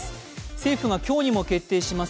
政府が今日にも決定します